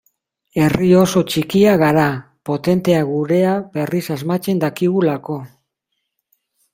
Herri oso txikia gara, potentea gurea berriz asmatzen dakigulako.